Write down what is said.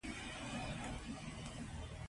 علمي مقالې باید په پښتو ولیکل شي.